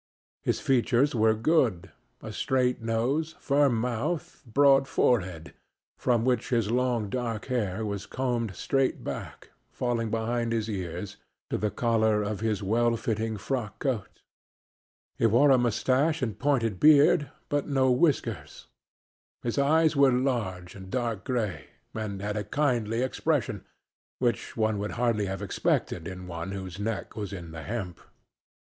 His features were good a straight nose, firm mouth, broad forehead, from which his long, dark hair was combed straight back, falling behind his ears to the collar of his well fitting frock coat. He wore a mustache and pointed beard, but no whiskers; his eyes were large and dark gray, and had a kindly expression which one would hardly have expected in one whose neck was in the hemp.